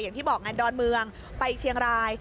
อย่างที่บอกไงดอนเมืองไปเชียงราย